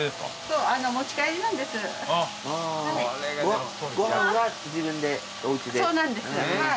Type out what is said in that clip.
そうなんですはい。